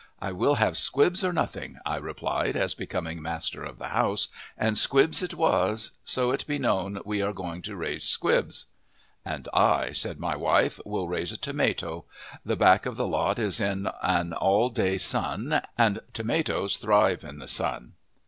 "I will have squibs or nothing," I replied, as becoming master of the house, and squibs it was. So be it known, we are going to raise squibs. "And I," said my wife, "shall raise a tomato. The back of the lot is in an all day sun, and tomatoes thrive in the sun."